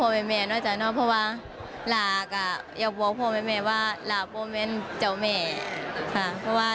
ไม่อยากให้เอามาเปรียบเทียบกันล่ะบอกแม่นเจ้าแม่ด้วยจ้า